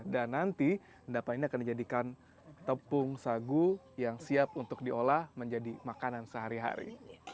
dan nanti endapan ini akan dijadikan tepung sagu yang siap untuk diolah menjadi makanan sehari hari